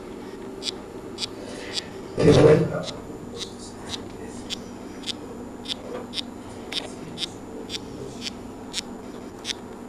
De vuelta a Burgos se establece como pintor-decorador estableciendo su propio negocio.